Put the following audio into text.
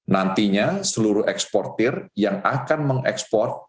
nantinya seluruh eksportir yang akan mengekspor